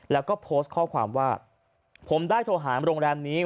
แล้วก็โพสต์ข้อความว่าผมได้โทรหาโรงแรมนี้